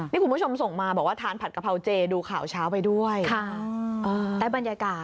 นี่คุณผู้ชมส่งมาบอกว่าทานผัดกะเพราเจดูข่าวเช้าไปด้วยได้บรรยากาศ